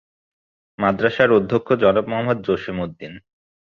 মাদ্রাসার অধ্যক্ষ জনাব মোহাম্মদ জসিম উদ্দীন।